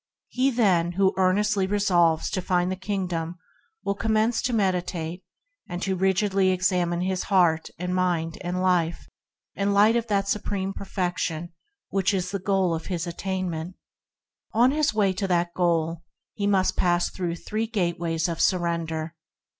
He, then, who earnestly resolves to find the Kingdom will commence to meditate, and rigidly to examine his heart and mind and life in the light of the Supreme Per fection that is the goal of his attainment. On his way to that goal, he must pass through the three Gateways of Surrender.